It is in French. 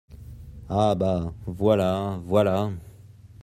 Ah bah !… voilà ! voilà !